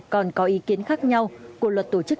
còn có ý kiến khác nhau của luật tổ chức